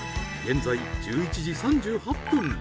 現在１１時３８分。